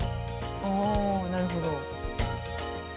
ああなるほど。